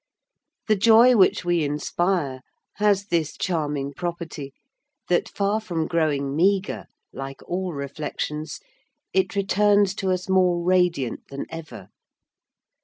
The joy which we inspire has this charming property, that, far from growing meagre, like all reflections, it returns to us more radiant than ever.